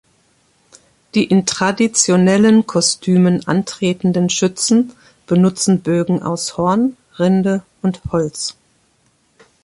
Die in traditionellen Kostümen antretenden Schützen benutzen Bögen aus Horn, Rinde und Holz.